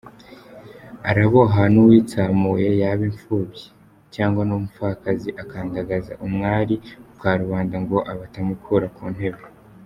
Araboha n’uwitsamuye yaba imfubyi cyangwa umupfakazi akandagaza umwari kukarubanda ngo aha atamukura kuntebe;